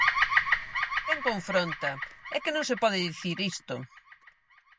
¿Quen confronta? É que non se pode dicir isto.